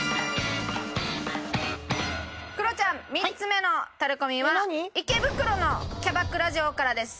クロちゃん３つ目のタレコミは池袋のキャバクラ嬢からです。